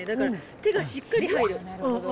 手がしっかり入る。